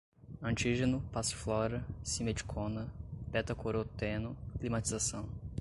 antígeno, passiflora, simeticona, betacoroteno, climatização